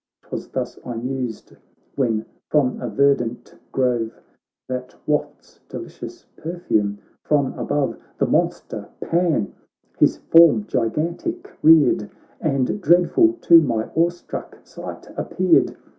'Twas thus I mused, when from a ver dant grove That wafts delicious perfume from above, The monster Pan his form gigantic reared, And dreadful to my awe struck sight appeared.